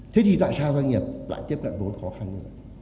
thế thì tại sao doanh nghiệp lại tiếp cận vốn khó khăn như vậy